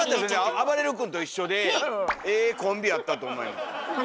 あばれる君と一緒でええコンビやったと思います。